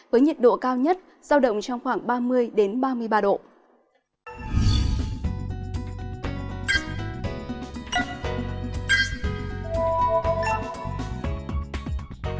với nhiệt độ cao nhất giao động trong khoảng ba mươi ba mươi ba độ